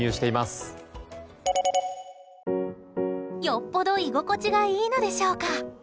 よっぽど居心地がいいのでしょうか。